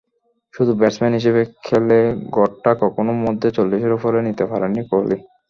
শুধু ব্যাটসম্যান হিসেবে খেলে গড়টা কখনো মধ্য চল্লিশের ওপরে নিতে পারেননি কোহলি।